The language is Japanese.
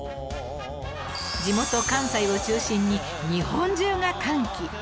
地元関西を中心に日本中が歓喜